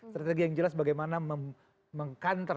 strategi yang jelas bagaimana meng counter